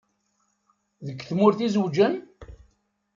Deg tmurt i zewǧen?